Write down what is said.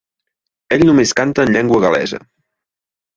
Ell només canta en llengua gal·lesa.